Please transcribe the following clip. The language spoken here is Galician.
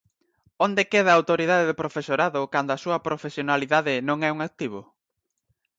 Onde queda a autoridade do profesorado cando a súa profesionalidade non é un activo?